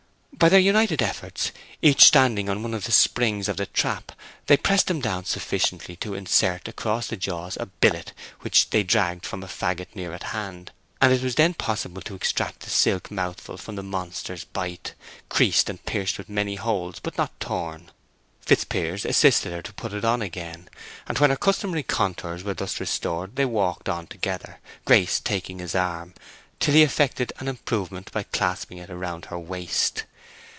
By their united efforts, each standing on one of the springs of the trap, they pressed them down sufficiently to insert across the jaws a billet which they dragged from a faggot near at hand; and it was then possible to extract the silk mouthful from the monster's bite, creased and pierced with many holes, but not torn. Fitzpiers assisted her to put it on again; and when her customary contours were thus restored they walked on together, Grace taking his arm, till he effected an improvement by clasping it round her waist.